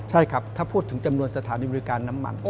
ใช่ครับถ้าพูดถึงจำนวนสถานีบริการน้ำมัน